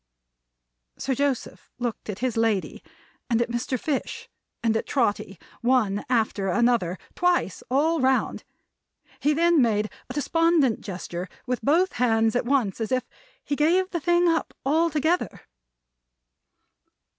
Sir Joseph looked at his lady, and at Mr. Fish, and at Trotty, one after another, twice all round. He then made a despondent gesture with both hands at once, as if he gave the thing up altogether.